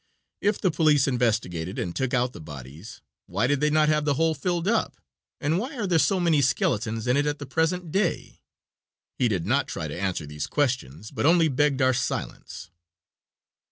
If the police investigated and took out the bodies, why did they not have the hole filled up, and why are there so many skeletons in it at the present day?" He did not try to answer these questions, but only begged our silence.